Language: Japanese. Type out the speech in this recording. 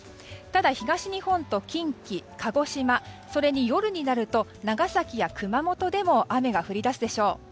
ただ東日本と近畿、鹿児島それに夜になると長崎や熊本でも雨が降り出すでしょう。